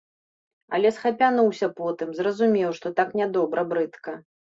Але схапянуўся потым, зразумеў, што так нядобра, брыдка.